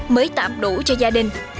mới tạm đủ cho gia đình